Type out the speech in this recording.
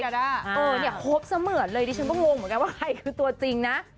เนี่ยครบเสมือนเลยดิฉันก็งงเหมือนกันว่าใครคือตัวจริงนะ